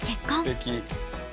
すてき。